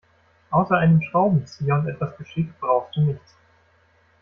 Außer einem Schraubenzieher und etwas Geschick brauchst du nichts.